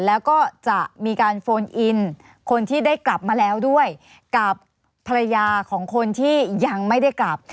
แล้วก็จะมีการโฟนอินคนที่ได้กลับมาแล้วด้วยกับภรรยาของคนที่ยังไม่ได้กลับ